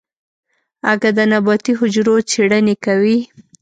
اگه د نباتي حجرو څېړنې کوي.